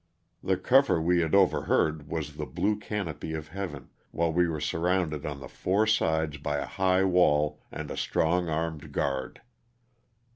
The cover we had overhead was the blue canopy of heaven, while we were surrounded on the four sides by a high wall and a strong armed guard.